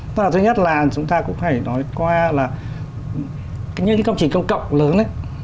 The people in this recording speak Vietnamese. và thứ nhất là chúng ta cũng phải nói qua là những cái công trình công cộng lớn ấy